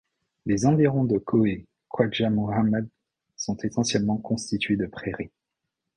Les environs de Kōh-e Khwājah Muḩammad sont essentiellement constitués de prairies.